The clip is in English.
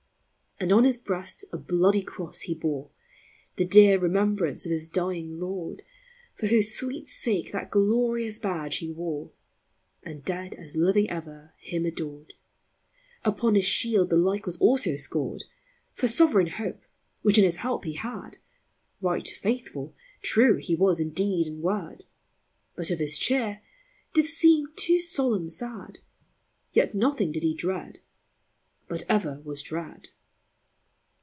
And on his brest a bloodie crosse he bore, The deare remembrance of his dying Lord, For whose sweete sake that glorious badge he wore, And dead, as living ever, him adored: Upon his shield the like was also scored, For soveraine hope, which in his helpe he had, Right, faithful!, true he was in deede and word; But of his cheere,* did seeme too solemne sad ; Yet nothing did he dread, but ever was ydrad.